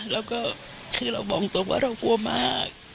แล้วก็คือเราบอกตรงว่าเรากลัวมาก